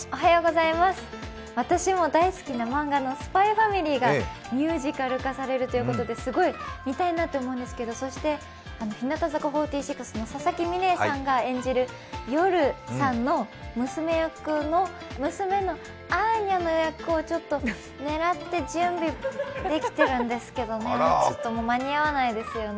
私も大好きな漫画の「ＳＰＹ×ＦＡＭＩＬＹ」がミュージカル化されるということですごく見たいなと思うんですけどそして、日向坂４６の佐々木美玲さんが演じるヨルさんの娘のアーニャの役をちょっと狙って準備できてるんですけどね、ちょっともう間に合わないですよね。